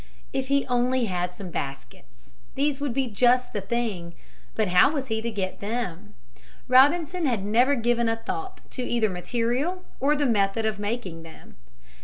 If he only had some baskets. These would be just the thing. But how was he to get them? Robinson had never given a thought to either material or the method of making them.